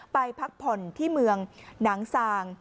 พักผ่อนที่เมืองหนังซาง